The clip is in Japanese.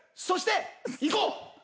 そして？いこう！